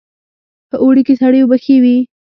په اوړي کې سړې اوبه ښې وي